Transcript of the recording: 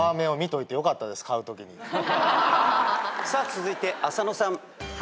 続いて浅野さん。